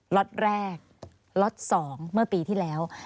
ล็อตแรกล็อต๒เมื่อปีที่แล้ว